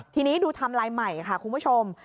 ทีนี้ดูทำลายใหม่ค่ะคุณผู้ชม